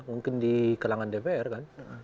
mungkin di kalangan dpr kan